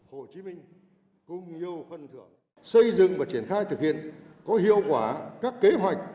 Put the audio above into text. hồ chí minh cung yêu khuân thượng xây dựng và triển khai thực hiện có hiệu quả các kế hoạch